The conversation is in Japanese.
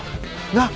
なっ？